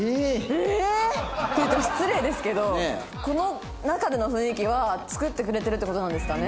えーっ！って言うと失礼ですけどこの中での雰囲気は作ってくれてるって事なんですかね。